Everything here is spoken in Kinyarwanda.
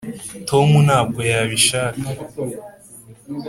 tom ntabwo yabishaka. (